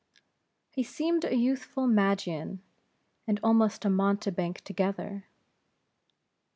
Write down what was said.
He seemed a youthful Magian, and almost a mountebank together.